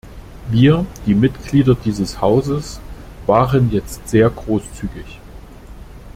Wir, die Mitglieder dieses Hauses, waren jetzt sehr großzügig.